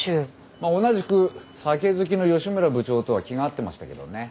まあ同じく酒好きの吉村部長とは気が合ってましたけどね。